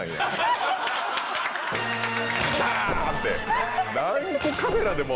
ダン！って。